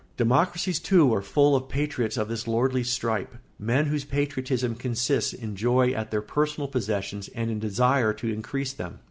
Democracies, too, are full of patriots of this lordly stripe, men whose patriotism consists in joy at their personal possessions and in desire to increase them.